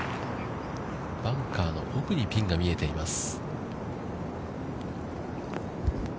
バンカーの奥にピンが見えています。